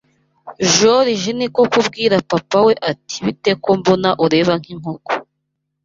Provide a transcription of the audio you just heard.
joriji niko kubwira papa we ati bite ko mbona ureba nk’inkoko